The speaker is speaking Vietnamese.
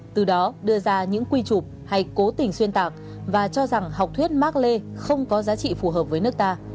từ đó đưa ra những quy trục hay cố tình xuyên tạc và cho rằng học thuyết mark le không có giá trị phù hợp với nước ta